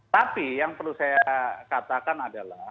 tapi yang perlu saya katakan adalah